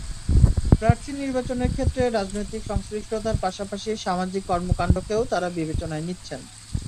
প্রার্থী নির্বাচনের ক্ষেত্রে রাজনৈতিক সংশ্লিষ্টতার পাশাপাশি সামাজিক কর্মকাণ্ডকেও তাঁরা বিবেচনায় নিচ্ছেন।